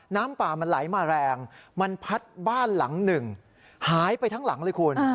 น้ำป่ามันไหลมาแรงมันพัดบ้านหลังหนึ่งหายไปทั้งหลังเลยคุณ